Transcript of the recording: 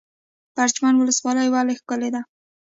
پرچمن ولسوالۍ ولې ښکلې ده؟